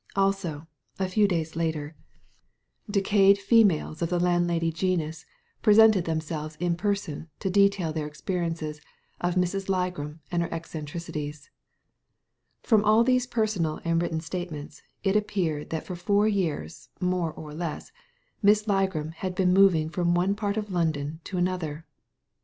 Also, a few days later, decayed Digitized by Google 38 THE LADY FROM NOWHERE females of the landlady genus presented themselves in person to detail their experiences of Miss Ltgram and her eccentricities. From all these personal and written statements it appeared that for four years, more or less, Miss Ligram had been moving from one part of London to another.